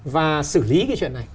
và xử lý cái chuyện này